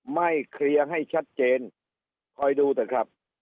ไม่เคลียร์ให้ชัดเจนคอยดูเถอะครับ